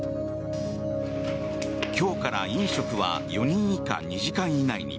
今日から飲食は４人以下、２時間以内に。